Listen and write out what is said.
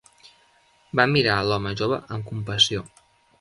Va mirar a l'home jove amb compassió.